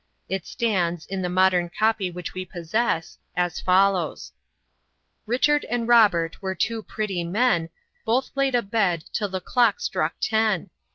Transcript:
It stands, in the modern copy which we possess, as follows: Richard and Robert were two pretty men; Both laid abed till the clock struck ten.